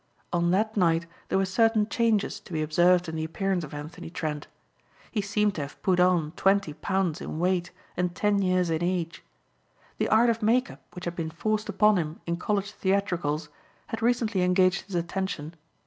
On that night there were certain changes to be observed in the appearance of Anthony Trent. He seemed to have put on twenty pounds in weight and ten years in age. The art of make up which had been forced upon him in college theatricals had recently engaged his attention.